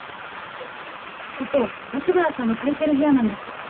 ここ松原さんが借りてる部屋なんです。